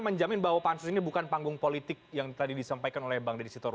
jangan sampai menjadi panggung politik semata mata